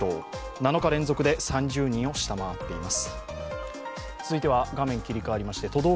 ７日連続で３０人を下回っています。